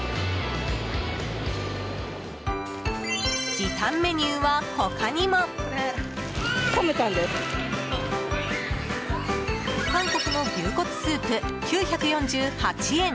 時短メニューは他にも。韓国の牛骨スープ、９４８円。